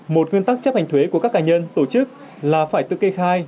một nguyên tắc chấp hành thuế của các cá nhân tổ chức là phải tự kê khai